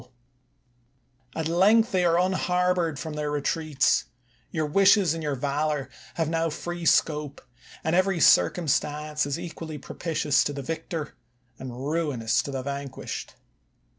THE WORLD'S FAMOUS ORATIONS At length they are unharbored from their re treats ; your wishes and your valor have now free scope, and every circumstance is equally propi tious to the victor, and ruinous to the vanquished.